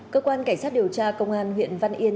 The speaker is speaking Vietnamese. cơ quan cảnh sát điều tra công an huyện văn yên